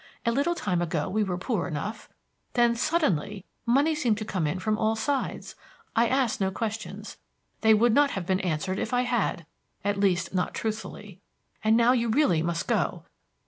A little time ago we were poor enough; then suddenly, money seemed to come in from all sides. I asked no questions; they would not have been answered if I had. At least, not truthfully. And now you really must go.